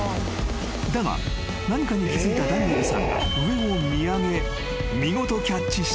［だが何かに気付いたダニエルさんが上を見上げ］